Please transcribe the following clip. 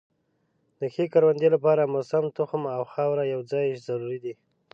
د ښې کروندې لپاره موسم، تخم او خاوره یو ځای ضروري دي.